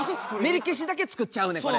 ねりけしだけ作っちゃうねこれ。